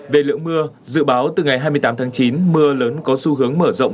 về lượng mưa dự báo từ ngày hai mươi tám tháng chín mưa lớn có xu hướng mở rộng